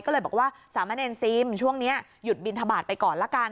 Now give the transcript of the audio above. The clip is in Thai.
ก็เลยบอกว่าสามะเนรซิมช่วงนี้หยุดบินทบาทไปก่อนละกัน